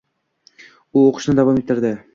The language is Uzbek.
U oʻqishni davom ettirdi